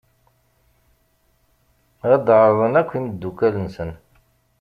Ad d-ɛerḍen akk imeddukal-nsen.